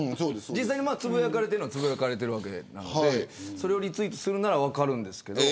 実際につぶやかれてるわけなのでそれをリツイートするなら分かるんですけど。